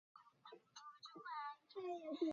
这次山火造成了出乎意料的巨大破坏。